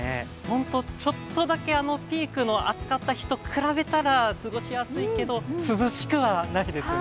ちょっとだけピークの暑かった日と比べたら過ごしやすいけど、涼しくはないですね。